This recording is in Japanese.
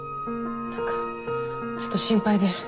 何かちょっと心配で。